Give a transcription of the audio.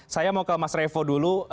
saya mau ke mas revo dulu